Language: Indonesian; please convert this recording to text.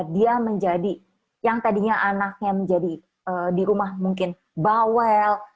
dia menjadi yang tadinya anaknya menjadi di rumah mungkin bawel